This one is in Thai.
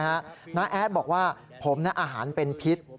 เพราะอะไรรู้ไหมฮะน้าแอดบอกว่าผมอาหารเป็นพิษ